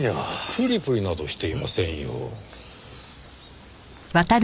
プリプリなどしていませんよ。